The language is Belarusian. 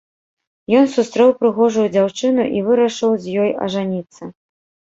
Ён сустрэў прыгожую дзяўчыну і вырашыў з ёй ажаніцца.